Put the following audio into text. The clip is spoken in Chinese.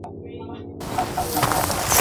文久三年。